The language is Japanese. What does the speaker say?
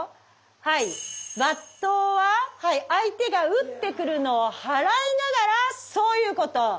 はい抜刀は相手が打ってくるのを払いながらそういうこと。